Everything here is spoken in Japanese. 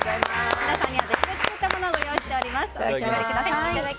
皆さんには別で作ったものをご用意しております。